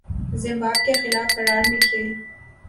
زمباب کے خلاف ہرار میں کھیل